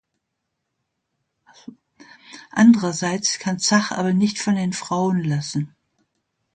Andererseits kann Zach aber nicht von den Frauen lassen.